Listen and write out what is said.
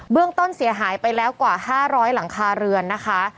เรื่องต้นเสียหายไปแล้วกว่า๕๐๐หลังคาเรือนนะคะ